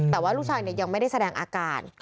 แต่ว่าลูกชายยังไม่ได้แสดงอาการ